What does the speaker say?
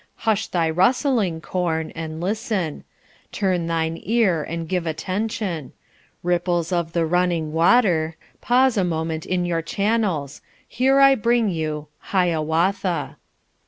Hush thy rustling, corn, and listen; Turn thine ear and give attention; Ripples of the running water, Pause a moment in your channels Here I bring you, Hiawatha."